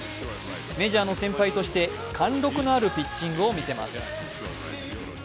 メジャーの先輩として貫禄のあるピッチングを見せます。